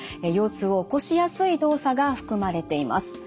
腰痛を起こしやすい動作が含まれています。